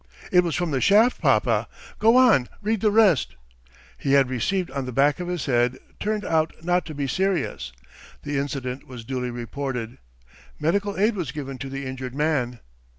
.." "It was from the shaft, papa. Go on! Read the rest!" "... he had received on the back of his head turned out not to be serious. The incident was duly reported. Medical aid was given to the injured man.